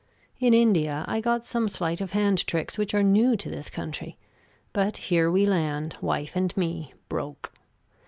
In India I got some sleight of hand tricks which are new to this country; but here we land, wife and me, broke.